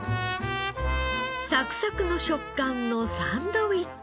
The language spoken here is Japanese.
サクサクの食感のサンドイッチ。